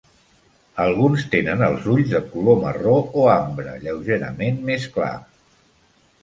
Alguns tenen els ulls de color marró o ambre lleugerament més clar.